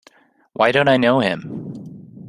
Why don't I know him?